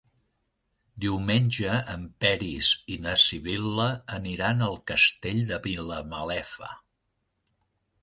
Diumenge en Peris i na Sibil·la aniran al Castell de Vilamalefa.